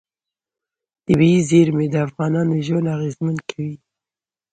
طبیعي زیرمې د افغانانو ژوند اغېزمن کوي.